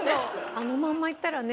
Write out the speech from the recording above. あのままいったらね